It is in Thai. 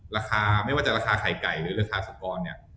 ราคาไม่ว่าจะราคาไข่ไก่หรือราคาสุกรเนี่ย